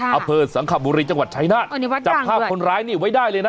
ค่ะอเผิดสังขับบุรีจังหวัดชัยนาธิ์อันนี้วัดกลางด้วยจับภาพคนร้ายนี่ไว้ได้เลยนะ